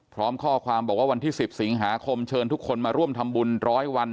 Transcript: พร้อมข้อความบอกว่าวันที่๑๐สิงหาคมเชิญทุกคนมาร่วมทำบุญร้อยวัน